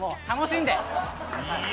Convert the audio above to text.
「楽しんで」